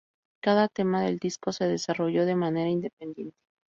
Cada tema del disco se desarrolló de manera independiente.